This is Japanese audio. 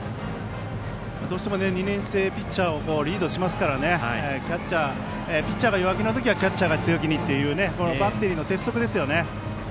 どうしても２年生ピッチャーをリードしますからピッチャーが弱気な時はキャッチャーが強気にというのはバッテリーの鉄則ですね。